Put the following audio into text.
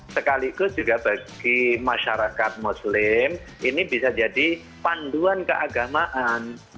sekaligus juga bagi masyarakat muslim ini bisa jadi panduan keagamaan